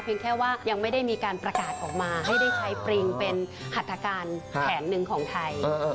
แค่ว่ายังไม่ได้มีการประกาศออกมาให้ได้ใช้ปริงเป็นหัตถการแผนหนึ่งของไทย